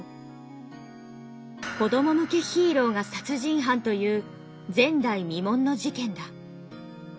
子ども向けヒーローが殺人犯という前代未聞の事件だ。